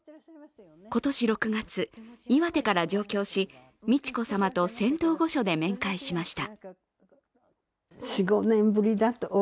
今年６月、岩手から上京し、美智子さまと仙洞御所で面会しました。